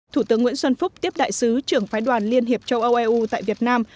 thủ tướng nguyễn xuân phúc tiếp đại sứ trưởng phái đoàn liên hiệp châu âu eu tại việt nam